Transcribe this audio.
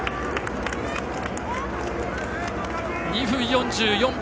２分４４秒。